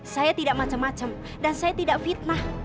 saya tidak macem macem dan saya tidak fitnah